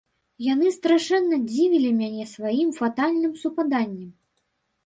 Яны страшэнна дзівілі мяне сваім фатальным супаданнем.